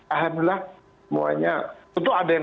alhamdulillah semuanya tentu ada yang